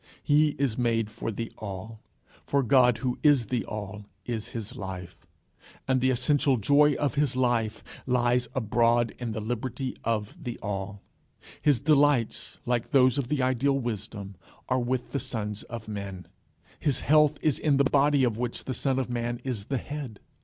He is made for the All, for God, who is the All, is his life. And the essential joy of his life lies abroad in the liberty of the All. His delights, like those of the Ideal Wisdom, are with the sons of men. His health is in the body of which the Son of Man is the head.